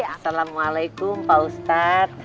assalamualaikum pak ustadz